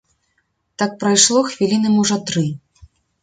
Так прайшло хвіліны можа тры.